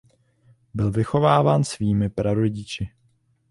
Byl vychováván svými prarodiči.